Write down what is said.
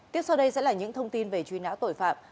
tiếp sau đây sẽ là những thông tin về truy nã tội phạm